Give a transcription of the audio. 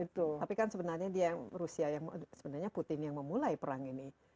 tapi kan sebenarnya dia rusia yang sebenarnya putin yang memulai perang ini